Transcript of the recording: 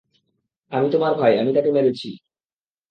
আমি, তোমার ভাই, আমি তাকে মেরেছি।